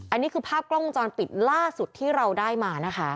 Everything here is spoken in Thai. อันนี้คือภาพกล้องวงจรปิดล่าสุดที่เราได้มานะคะ